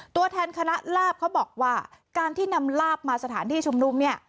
ตัวแทนคณะลาบเขาบอกว่าการที่นำลาบมาสถานที่ชุมนุมเนี่ย